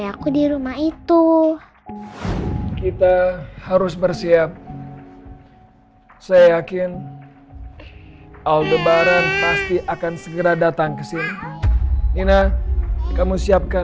ya coba terus di celet suri aja